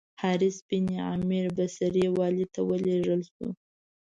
حارث بن عمیر بصري والي ته ولېږل شو.